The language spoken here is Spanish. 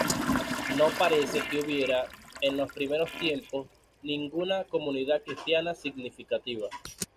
No parece que hubiera, en los primeros tiempos, ninguna comunidad cristiana significativa.